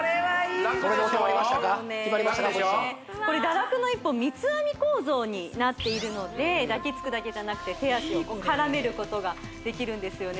これ堕落の一歩三つ編み構造になっているので抱きつくだけじゃなくて手足を絡めることができるんです